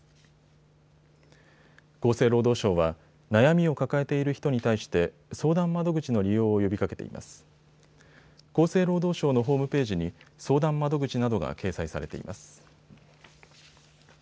厚生労働省は悩みを抱えている人に対して相談窓口の利用を呼びかけています。